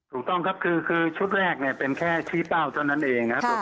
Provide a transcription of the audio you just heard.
ถูกต้องครับชุดแรกเป็นแค่ชี้เป้าเท่านั่นเอง